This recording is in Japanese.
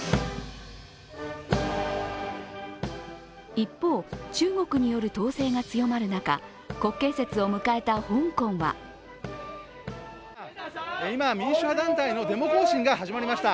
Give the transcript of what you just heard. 一方、中国による統制が強まる中、国慶節を迎えた香港は今、民主派団体のデモ行進が始まりました。